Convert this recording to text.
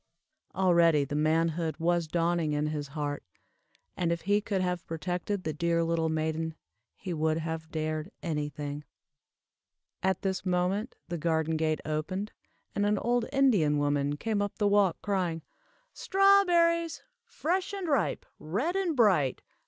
Already the manhood was dawning in his heart; and if he could have protected the dear little maiden, he would have dared any thing. At this moment the garden gate opened, and an old Indian woman came up the walk, crying "Strawberries! fresh and ripe, red and bright.